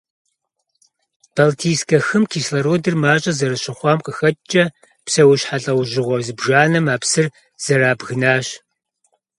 Балтийскэ хым кислородыр мащӀэ зэрыщыхъуам къыхэкӀкӀэ, псэущхьэ лӀэужьыгъуэ зыбжанэм а псыр зэрабгынащ.